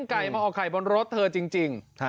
ไก่มาออกไข่บนรถเธอจริง